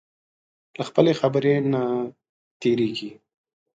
له خپلې خبرې نه تېرېږي.